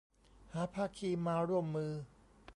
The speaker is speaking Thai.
หาภาคีมาร่วมมือ